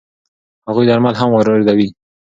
هغوی درمل هم واردوي.